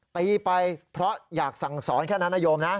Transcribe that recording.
ตีไปเพราะอยากสั่งสอนแค่นั้นนะโยมนะ